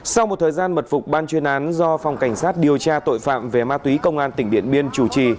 sau một thời gian mật phục ban chuyên án do phòng cảnh sát điều tra tội phạm về ma túy công an tỉnh điện biên chủ trì